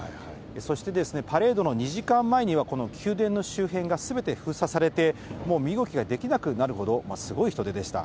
そしてパレードの２時間前には、この宮殿の周辺がすべて封鎖されて、もう身動きができなくなるほど、すごい人出でした。